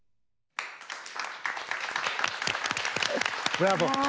ブラボー。